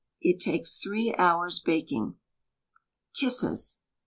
It takes three hours baking. KISSES.